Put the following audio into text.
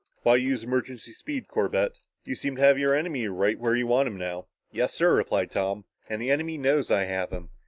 "Why use emergency speed, Corbett?" asked Strong. "You seem to have your enemy right where you want him now." "Yes, sir," replied Tom. "And the enemy knows I have him.